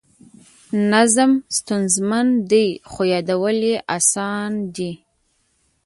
نظم ستونزمن دی خو یادول یې اسان دي.